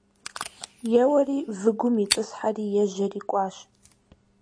Еуэри выгум итӀысхьэри ежьэри кӀуащ.